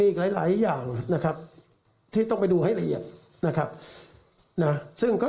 อีกหลายอย่างนะครับที่ต้องไปดูให้ละเอียดนะครับนะซึ่งก็